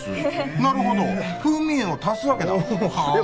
なるほど風味を足すわけだえっ